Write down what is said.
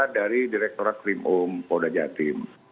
dari direkturat krimum polda jatim